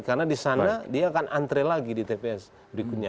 karena di sana dia akan antre lagi di tps berikutnya